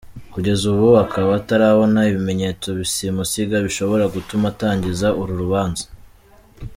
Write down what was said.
Kugeza ubu akaba atarabona ibimenyatso simusiga bishobora gutuma atangiza uru rubanza.